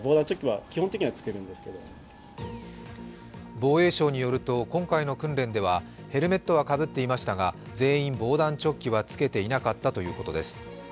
防衛省によると今回の訓練ではヘルメットはかぶっていましたが全員、防弾チョッキは着けていなかったというのです。